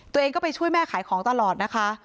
ตัวเองก็ไปช่วยแม่ขายของตลอดนะคะ